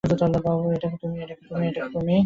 Bob, এটা কি তুমি?